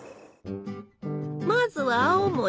まずは青森。